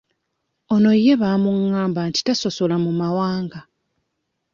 Ono ye bamungamba nti tasosola mu mawanga.